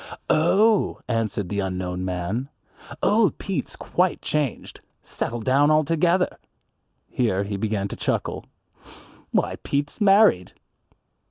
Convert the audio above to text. "Oh," answered the unknown man, "old Pete's quite changed, settled down altogether." Here he began to chuckle, "Why, Pete's married!"